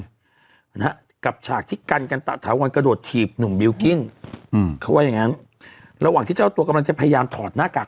นะฮะกับฉากที่กันกันตะถาวรกระโดดถีบหนุ่มบิลกิ้งอืมเขาว่าอย่างงั้นระหว่างที่เจ้าตัวกำลังจะพยายามถอดหน้ากาก